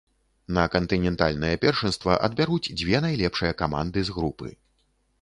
На кантынентальнае першынства адбяруць дзве найлепшыя каманды з групы.